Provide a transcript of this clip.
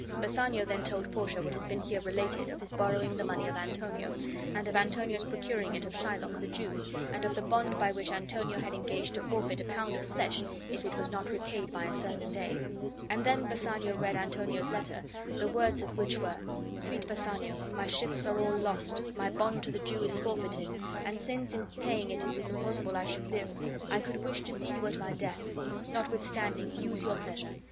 Bassanio then told Portia what has been here related, of his borrowing the money of Antonio, and of Antonio's procuring it of Shylock the Jew, and of the bond by which Antonio had engaged to forfeit a pound of flesh if it was not repaid by a certain day: and then Bassanio read Antonio's letter, the words of which were: 'Sweet Bassanio, my ships are all lost, my bond to the Jew is forfeited, and since in paying it is impossible I should live, I could wish, to see you at my death; notwithstanding, use your pleasure.